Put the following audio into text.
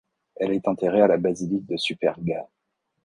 Elle est enterrée à la basilique de Superga.